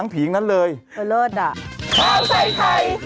ประเทศไทย